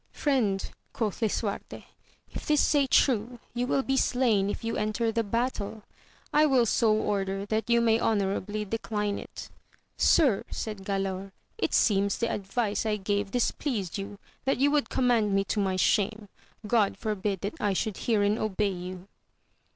Friend, quoth Lisuarte, if this say true, you will be slain if you enter the battle ; I will so order that you may honourably decline it. Sir, said Galaor, it seems the advice I gave displeased you, that you would command me to my shame. God forbid that I should herein obey you.